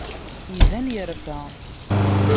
Iban yerfa.